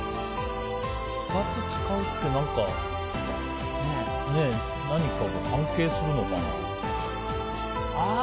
２つ使うって何かが関係するのかな。